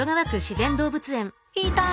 いた！